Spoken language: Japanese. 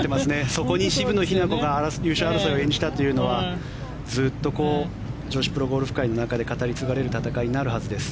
そこに渋野日向子が優勝争いを演じたというのはずっと、女子プロゴルフ界の中で語り継がれる戦いになるはずです。